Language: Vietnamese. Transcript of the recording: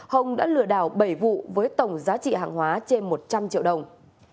hồng đã lừa đảo bảy vụ với tổng giá trị hàng hóa trên một trăm linh triệu đồng